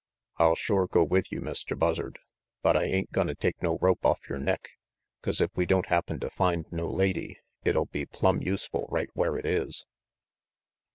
"I'll shore go with you, Mr. Buzzard, but I ain't gonna take no rope off yore neck, 'cause if we don't happen to find no lady, it'll be plumb useful right where it is."